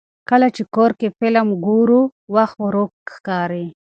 کله چې کور کې فلم ګورو، وخت ورو ښکاري.